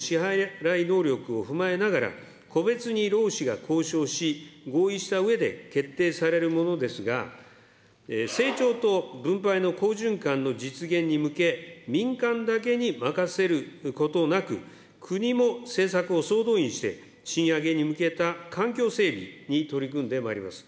賃上げ自体は各企業の支払い能力を踏まえながら、個別に労使が交渉し、合意したうえで決定されるものですが、成長と分配の好循環の実現に向け、民間だけに任せることなく、国も政策を総動員して、賃上げに向けた環境整備に取り組んでまいります。